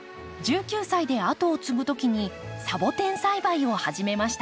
１９歳で後を継ぐ時にサボテン栽培を始めました。